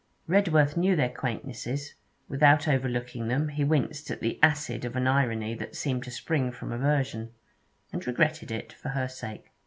Redworth knew their quaintnesses; without overlooking them he winced at the acid of an irony that seemed to spring from aversion, and regretted it, for her sake.